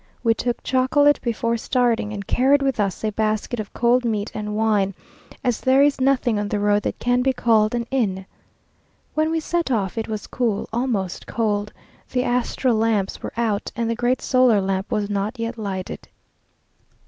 We took chocolate before starting, and carried with us a basket of cold meat and wine, as there is nothing on the road that can be called an inn. When we set off it was cool, almost cold; the astral lamps were out, and the great solar lamp was not yet lighted.